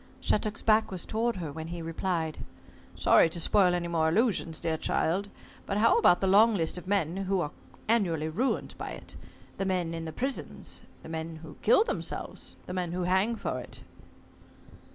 Shattuck's back was toward her when he replied. "Sorry to spoil any more illusions, dear child, but how about the long list of men who are annually ruined by it? The men in the prisons, the men who kill themselves, the men who hang for it?"